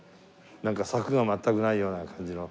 なんか柵が全くないような感じの。